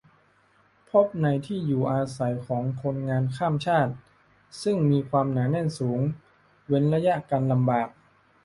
พบในที่อยู่อาศัยของคนงานข้ามชาติ ซึ่งมีความหนาแน่นสูง เว้นระยะกันลำบาก